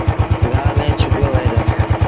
گآه ميݩ ڇُپيو وهيݩ دآ